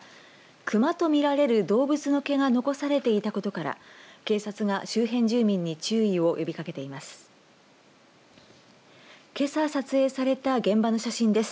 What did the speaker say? クマと見られる動物の毛が残されていたことから警察が、周辺住民に注意を呼びかけています。